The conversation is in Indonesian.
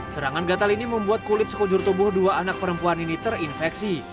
serangan gatal ini membuat kulit sekujur tubuh dua anak perempuan ini terinfeksi